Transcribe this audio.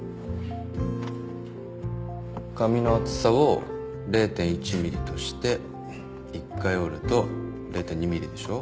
紙の厚さを０．１ｍｍとして１回折ると０．２ｍｍでしょ。